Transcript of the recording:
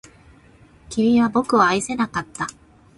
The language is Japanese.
君は僕を愛せなかった